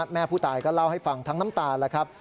แม่ผู้ตายก็เล่าให้ฟังทั้งน้ำตาแล้วครับ